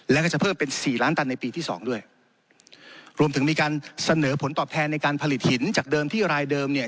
แล้วก็จะเพิ่มเป็นสี่ล้านตันในปีที่สองด้วยรวมถึงมีการเสนอผลตอบแทนในการผลิตหินจากเดิมที่รายเดิมเนี่ย